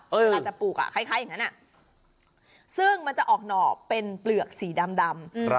เวลาจะปลูกคล้ายอย่างนั้นซึ่งมันจะออกหน่อเป็นเปลือกสีดำ